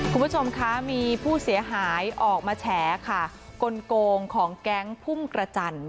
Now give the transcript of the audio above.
คุณผู้ชมคะมีผู้เสียหายออกมาแฉค่ะกลงของแก๊งพุ่มกระจันท